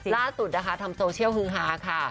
ล่าสุดนะคะทำโซเชียลฮือฮาค่ะ